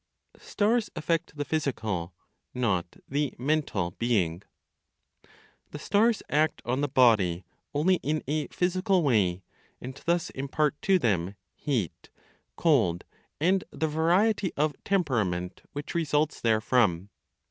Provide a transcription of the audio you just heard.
STARS AFFECT THE PHYSICAL, NOT THE MENTAL BEING. The stars act on the body only in a physical way, and thus impart to them heat, cold, and the variety of temperament which results therefrom.